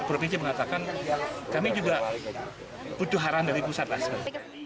provinsi mengatakan kami juga butuh haran dari pusat masker